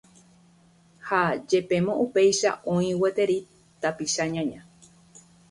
Ha jepémo upéicha oĩ gueteri tapicha ñaña